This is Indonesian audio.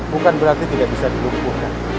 bukan berarti tidak bisa dilumpuhkan